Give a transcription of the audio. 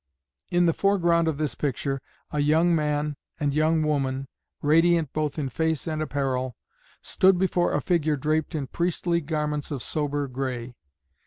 In the foreground of this picture a young man and young woman, radiant both in face and apparel, stood before a figure draped in priestly garments of sober gray.